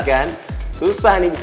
susah nih bisa bikin baper nih aslovers